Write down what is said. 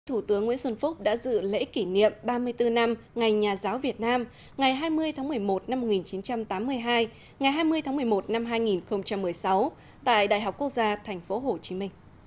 thủ tướng nguyễn xuân phúc đã dự lễ kỷ niệm ba mươi bốn năm ngày nhà giáo việt nam ngày hai mươi tháng một mươi một năm một nghìn chín trăm tám mươi hai ngày hai mươi tháng một mươi một năm hai nghìn một mươi sáu tại đại học quốc gia tp hcm